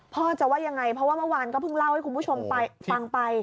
พ่อจะว่ายังไงเพราะว่าเมื่อวานก็เพิ่งเล่าให้คุณผู้ชมฟังไป